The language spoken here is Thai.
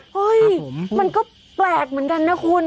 เฮ้ยมันก็แปลกเหมือนกันนะคุณ